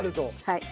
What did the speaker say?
はい。